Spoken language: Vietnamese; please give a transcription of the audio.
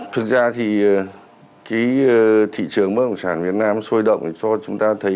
thực ra thì cái thị trường bất động sản việt nam sôi động cho chúng ta thấy